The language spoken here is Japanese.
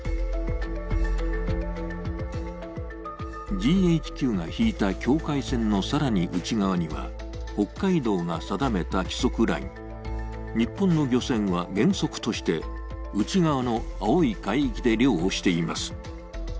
ＧＨＱが引いた境界線の更に内側には北海道が定めた規則ライン、日本の漁船は原則として内側の青い海域で漁をしています。